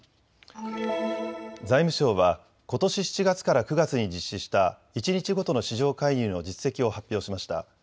財務省はことし７月から９月に実施した一日ごとの市場介入の実績を発表しました。